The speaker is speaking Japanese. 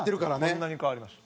こんなに変わりました。